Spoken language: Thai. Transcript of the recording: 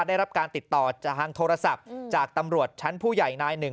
ได้รับการติดต่อจากทางโทรศัพท์จากตำรวจชั้นผู้ใหญ่นายหนึ่ง